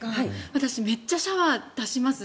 私、めっちゃシャワー出します。